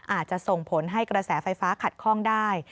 อาจจะส่งผลให้กระแสไฟฟ้าขัดข้องได้